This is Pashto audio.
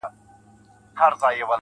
زور او زير مي ستا په لاس کي وليدی~